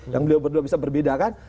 yang beliau berdua bisa berbeda kan